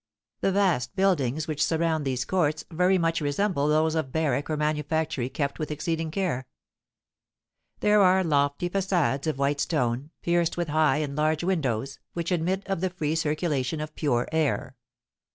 The vast buildings which surround these courts very much resemble those of barrack or manufactory kept with exceeding care. There are lofty façades of white stone, pierced with high and large windows, which admit of the free circulation of pure air.